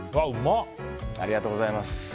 ありがとうございます。